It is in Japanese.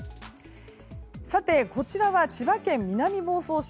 さて、こちらは千葉県南房総市。